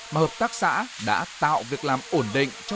mà hợp tác xã đã tạo việc làm ổn định